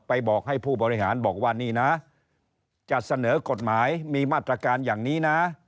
บอกให้ผู้บริหารบอกว่านี่นะจะเสนอกฎหมายมีมาตรการอย่างนี้นะ